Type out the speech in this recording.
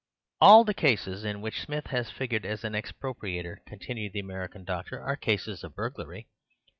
"All the cases in which Smith has figured as an expropriator," continued the American doctor, "are cases of burglary.